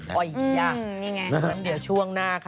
อ๋อยังนี่ไงสักครู่เดียวงั้นเดี๋ยวช่วงหน้าค่ะ